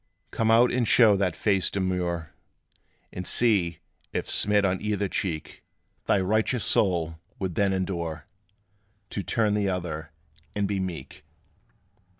Come out, and show that face demure; And see, if, smit on either cheek, Thy righteous soul would then endure To turn the other, and be meek.